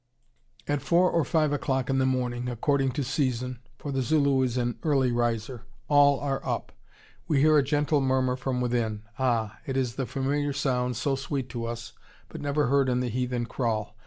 "At four or five o'clock in the morning, according to season, for the Zulu is an early riser, all are up. We hear a gentle murmur from within. Ah! it is the familiar sound, so sweet to us, but never heard in the heathen kraal.